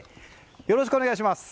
よろしくお願いします！